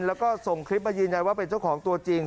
แล้วก็ส่งคลิปมายืนยันว่าเป็นเจ้าของตัวจริง